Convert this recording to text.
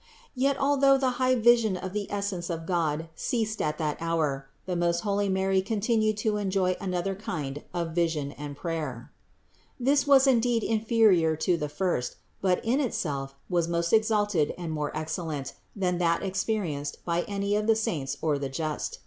Yet, although the high vision of the essence of God ceased at that hour, the most holy Mary continued to enjoy another kind of vision and prayer. This was indeed inferior to the first, but in itself was most exalted and more excel lent than that experienced by any of the saints or the just.